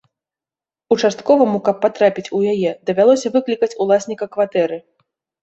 Участковаму, каб патрапіць у яе, давялося выклікаць уласніка кватэры.